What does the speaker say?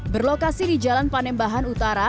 berlokasi di jalan panembahan utara